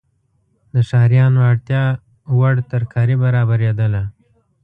د ښاریانو اړتیاوړ ترکاري برابریدله.